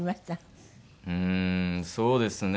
うーんそうですね